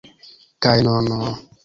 Kaj nun...